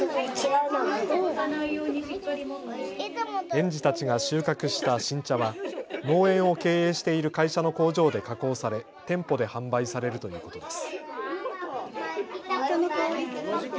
園児たちが収穫した新茶は農園を経営している会社の工場で加工され店舗で販売されるということです。